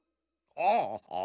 ああ！